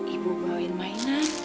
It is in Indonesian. ibu bawa mainan